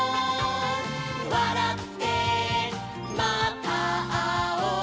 「わらってまたあおう」